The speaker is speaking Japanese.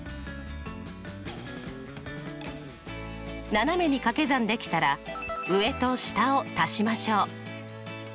斜めに掛け算できたら上と下を足しましょう。